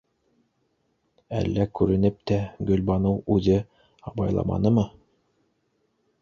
Әллә күренеп тә Гөлбаныу үҙе абайламанымы?